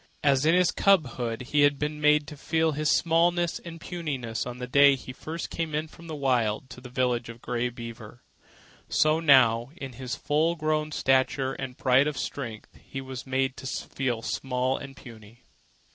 As in his cubhood he had been made to feel his smallness and puniness on the day he first came in from the Wild to the village of Grey Beaver, so now, in his full grown stature and pride of strength, he was made to feel small and puny.